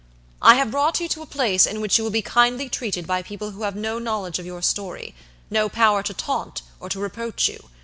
I have brought you to a place in which you will be kindly treated by people who have no knowledge of your storyno power to taunt or to reproach you.